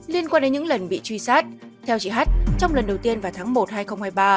liên quan đến những lần bị truy sát theo chị hát trong lần đầu tiên vào tháng một hai nghìn hai mươi ba